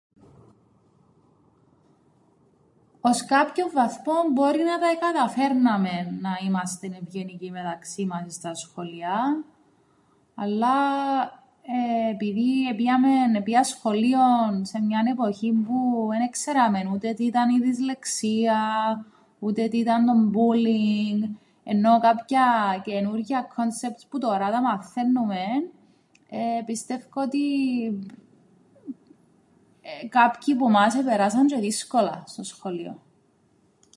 Ώς κάποιον βαθμόν μπορεί να τα εκαταφέρναμεν να είμαστεν ευγενικοί μεταξύν μας εις τα σχολεία, αλλά, εεε, επειδή επήαμεν, επήα σχολείον σε μιαν εποχήν που εν εξέραμεν ούτε τι ήταν η δυσλεξία, ούτε τι ήταν το μπούλινγκ, εννοώ κάποια καινούργια κόνσεπτς που τωρά τα μαθαίννουμεν, εεε, πιστεύκω ότι, ε, κάποιοι που μας επεράσαν τζ̌αι δύσκολα στο σχολείον.